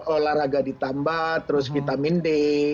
olahraga ditambah terus vitamin d